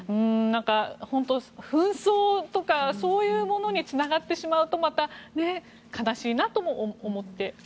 本当、紛争とかそういうものにつながってしまうとまた悲しいなとも思って。